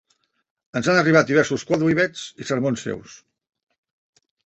Ens han arribat diversos quòdlibets i sermons seus.